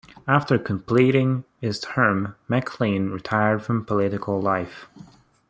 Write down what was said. After completing his term, McLean retired from political life.